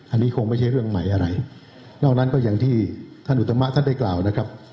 อันนี้คงไม่ใช่เรื่องใหม่อะไรนอกนั้นก็อย่างที่ท่านอุตมะท่านได้กล่าวนะครับ